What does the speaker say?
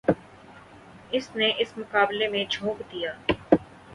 اس نے اس مقابلے میں جھونک دیا۔